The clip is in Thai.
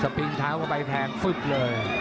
สปริงเท้าก็ไปแทงฝึกเลย